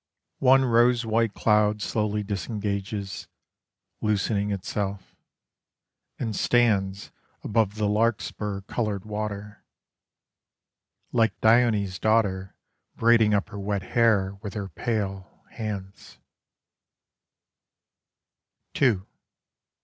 One rose white cloud slowly disengages, loosening itself, And stands Above the larkspur coloured water: Like Dione's daughter Braiding up her wet hair with her pale, hands.